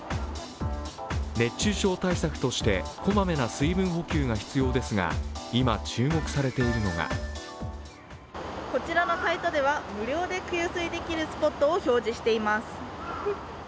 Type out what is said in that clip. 熱中症対策として、こまめな水分補給が必要ですが、今、注目されているのがこちらのサイトでは無料で給水できるスポットを表示しています。